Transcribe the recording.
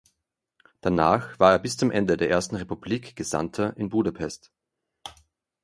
Danach war er bis zum Ende der Ersten Republik Gesandter in Budapest.